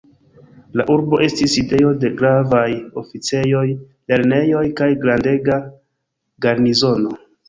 La urbo estis sidejo de gravaj oficejoj, lernejoj kaj grandega garnizono.